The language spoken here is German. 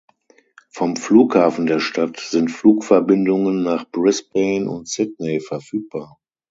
Vom Flughafen der Stadt sind Flugverbindungen nach Brisbane und Sydney verfügbar.